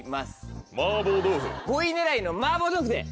５位狙いのマーボー豆腐で！